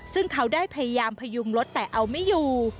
ซึ่งเขาได้พยายามพยุงรถแต่เอาไม่อยู่